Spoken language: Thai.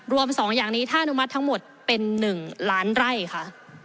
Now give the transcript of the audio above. รวม๒อย่างนี้ถ้าอนุมัติทั้งหมดเป็น๑ล้านไร่ค่ะ